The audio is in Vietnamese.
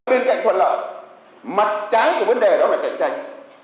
bên cạnh thuận lợi mặt trái của vấn đề đó là cạnh tranh